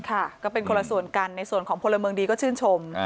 ค่ะก็เป็นคนละส่วนกันในส่วนของพลเมืองดีก็ชื่นชม